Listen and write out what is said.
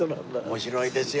面白いですよ